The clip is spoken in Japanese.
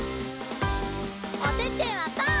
おててはパー！